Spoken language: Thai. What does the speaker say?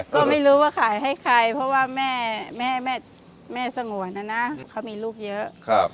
ก็ไม่รู้ว่าขายให้ใครเพราะว่าแม่สงวนนะนะเขามีลูกเยอะ